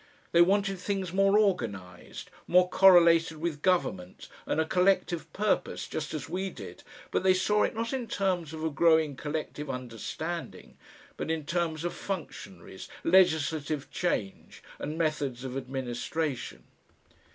They wanted things more organised, more correlated with government and a collective purpose, just as we did, but they saw it not in terms of a growing collective understanding, but in terms of functionaries, legislative change, and methods of administration....